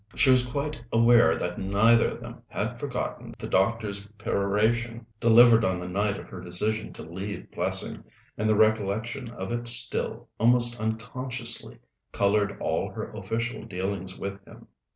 She was quite aware that neither of them had forgotten the doctor's peroration delivered on the night of her decision to leave Plessing, and the recollection of it still, almost unconsciously, coloured all her official dealings with him.